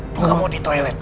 lo gak mau di toilet